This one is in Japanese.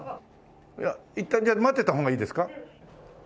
いったんじゃあ待ってた方がいいですか？